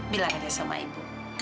bilang aja sama ibu